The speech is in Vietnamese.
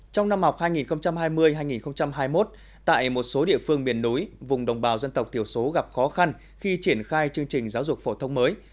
trong năm học hai nghìn hai mươi hai nghìn hai mươi một tại một số địa phương miền núi vùng đồng bào dân tộc thiểu số gặp khó khăn khi triển khai chương trình giáo dục phổ thông mới